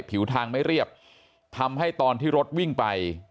ผิวทางไม่เรียบทำให้ตอนที่รถวิ่งไป